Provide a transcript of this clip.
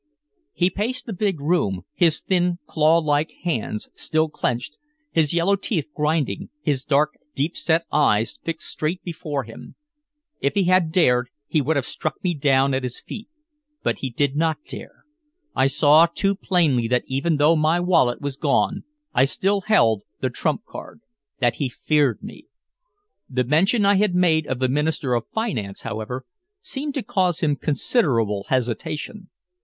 He paced the big room, his thin claw like hands still clenched, his yellow teeth grinding, his dark, deep set eyes fixed straight before him. If he had dared, he would have struck me down at his feet. But he did not dare. I saw too plainly that even though my wallet was gone I still held the trump card that he feared me. The mention I had made of the Minister of Finance, however, seemed to cause him considerable hesitation.